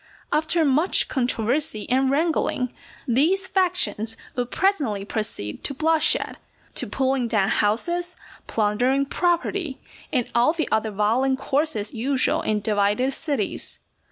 After much controversy and wrangling, these factions would presently proceed to bloodshed, to pulling down houses, plundering property, and all the other violent courses usual in divided cities.